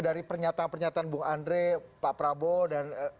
dari pernyataan pernyataan bung andre pak prabowo dan